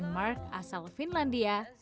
sembilan mark asal finlandia